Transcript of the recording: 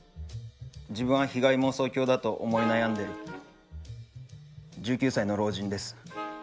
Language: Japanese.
自分は被害妄想狂だと思い悩んでる１９歳の老人です。